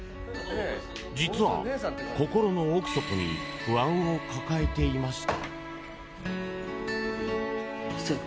実は、心の奥底に不安を抱えていました。